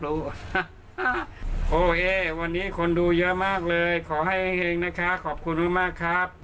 โอเควันนี้คนดูเยอะมากเลยขอให้เฮงนะคะขอบคุณมากครับ